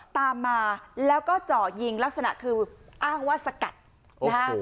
ตามมาแล้วก็เจาะยิงลักษณะคืออ้างว่าสกัดนะฮะ